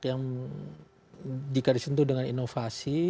yang dikarisin itu dengan inovasi